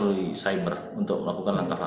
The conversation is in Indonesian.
terus di cyber untuk melakukan langkah langkah